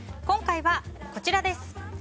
今回は、こちらです。